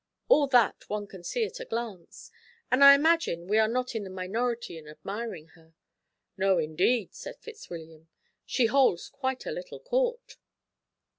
All that one can see at a glance. And I imagine we are not in the minority in admiring her." "No, indeed," said Fitzwilliam, "she holds quite a little court."